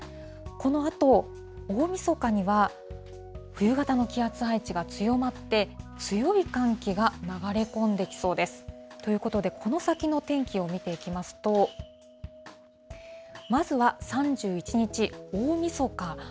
このあと大みそかには、冬型の気圧配置が強まって、強い寒気が流れ込んできそうです。ということで、この先の天気を見ていきますと、まずは３１日大みそか。